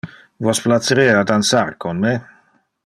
Vos placerea dansar con me?